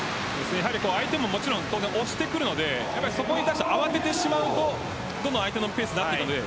相手も、もちろん押してくるのでそこに対して慌ててしまうとどんどん相手のペースになってくるので